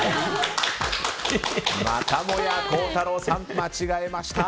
またもや孝太郎さん間違えました。